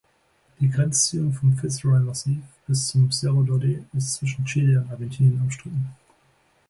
Die Grenzziehung vom Fitz-Roy-Massiv bis zum Cerro Daudet ist zwischen Chile und Argentinien umstritten.